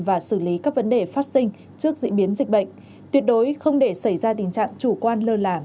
và xử lý các vấn đề phát sinh trước diễn biến dịch bệnh tuyệt đối không để xảy ra tình trạng chủ quan lơ là